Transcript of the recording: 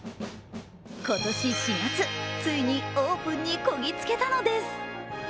今年４月、ついにオープンにこぎつけたのです。